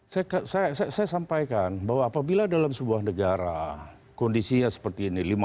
saya sampaikan bahwa apabila dalam sebuah negara kondisinya seperti ini